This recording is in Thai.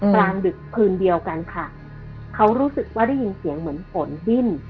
กลางดึกคืนเดียวกันค่ะเขารู้สึกว่าได้ยินเสียงเหมือนฝนดิ้น